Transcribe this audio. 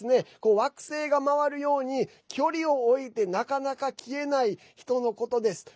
惑星が回るように距離を置いてなかなか消えない人のことです。